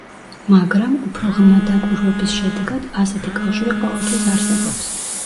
მაგრამ, უფრო ღრმა დაკვირვების შედეგად ასეთი კავშირი ყოველთვის არსებობს.